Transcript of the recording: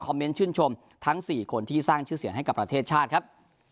เมนต์ชื่นชมทั้ง๔คนที่สร้างชื่อเสียงให้กับประเทศชาติครับ